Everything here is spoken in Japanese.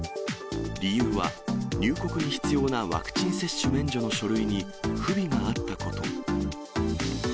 理由は入国に必要なワクチン接種免除の書類に不備があったこと。